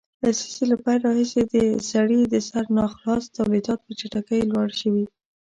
لسیزې له پیل راهیسې د سړي د سر ناخالص تولیدات په چټکۍ لوړ شوي